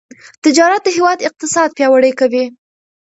تجارت د هیواد اقتصاد پیاوړی کوي.